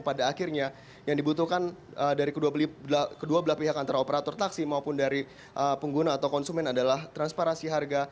pada akhirnya yang dibutuhkan dari kedua belah pihak antara operator taksi maupun dari pengguna atau konsumen adalah transparansi harga